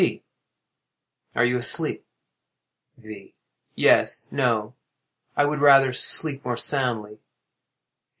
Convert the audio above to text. P. Are you asleep? V. Yes—no; I would rather sleep more soundly.